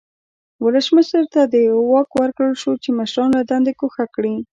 ولسمشر ته دا واک ورکړل شو چې مشران له دندې ګوښه کړي.